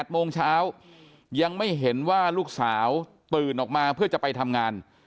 โมงเช้ายังไม่เห็นว่าลูกสาวตื่นออกมาเพื่อจะไปทำงาน